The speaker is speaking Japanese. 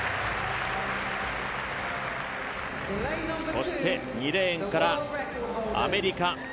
そして２レーンからアメリカ。